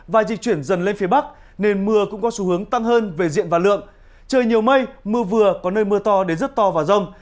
và di chuyển dần lên phía bắc nên mưa cũng có xu hướng tăng hơn về diện và lượng trời nhiều mây mưa vừa có nơi mưa to đến rất to và rông